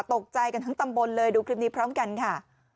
ตกใจกันทั้งตำบลเลยดูคลิปนี้พร้อมกันค่ะ